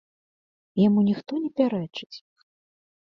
Яму ніхто не пярэчыць.